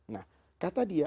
nah kata dia